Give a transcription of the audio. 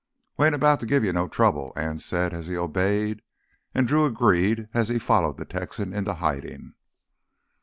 "We ain't about to give you no trouble," Anse said as he obeyed, and Drew agreed as he followed the Texan into hiding.